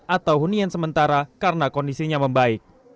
atau hunian sementara karena kondisinya membaik